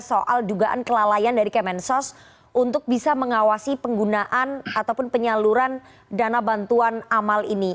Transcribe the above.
soal dugaan kelalaian dari kemensos untuk bisa mengawasi penggunaan ataupun penyaluran dana bantuan amal ini